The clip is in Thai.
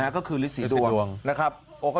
ก็คือฤทธีดวงนะครับ